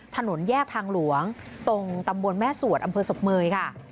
ถนนแยกทางหลวงตรงตำบลแม่สวดอำเภอศพเมยค่ะ